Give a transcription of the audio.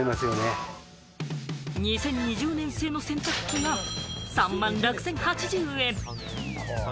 ２０２０年製の洗濯機が３万６０８０円。